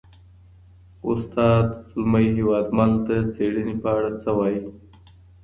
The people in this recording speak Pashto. استاد زلمی هېوادمل د څېړني په اړه څه وایي؟